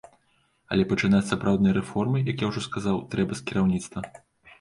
Але пачынаць сапраўдныя рэформы, як я ўжо сказаў, трэба з кіраўніцтва.